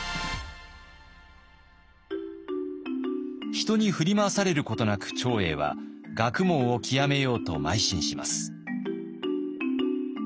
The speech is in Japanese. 人に振り回されることなく長英は学問を究めようとまい進します。